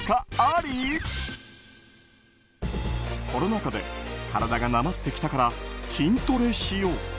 コロナ禍で体がなまってきたから筋トレしよう。